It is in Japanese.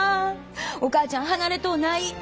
お母ちゃん離れとうない。